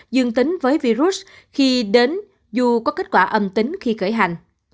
dương tính với virus khi đến dù có kết quả âm tính khi khởi hành